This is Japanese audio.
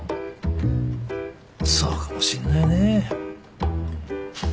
そうかもしんないね。